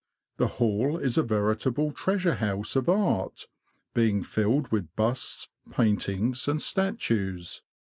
The hall is a veritable treasure house of art, being filled with busts, paintings, and statues.